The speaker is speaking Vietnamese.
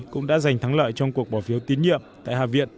cũng đã giành thắng lợi trong cuộc bỏ phiếu tín nhiệm tại hạ viện